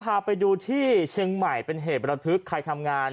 พาไปดูที่เชียงใหม่เป็นเหตุประทึกใครทำงาน